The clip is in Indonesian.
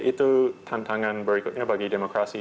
itu tantangan berikutnya bagi demokrasi